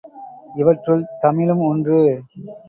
இவற்றுள் தமிழும் ஒன்று.